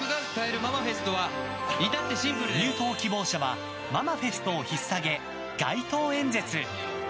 入党希望者は、ママフェストを引っさげ街頭演説。